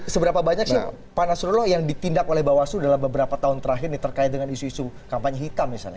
seberapa banyak sih pak nasrullah yang ditindak oleh bawaslu dalam beberapa tahun terakhir ini terkait dengan isu isu kampanye hitam misalnya